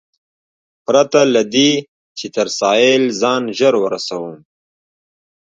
پرته له دې، چې تر ساحل ځان ژر ورسوم.